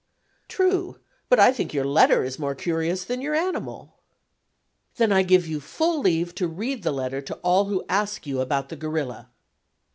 "True; but I think your letter is more curious than your animal." "Then I give you full leave to read the letter to all who ask you about the 'gorilla.